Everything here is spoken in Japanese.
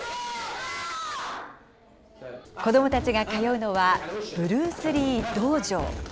子どもたちが通うのは、ブルース・リー道場。